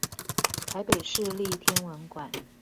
臺北市立天文館